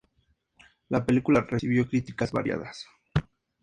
La película recibió críticas variadas.